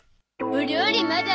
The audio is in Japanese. お料理まだ？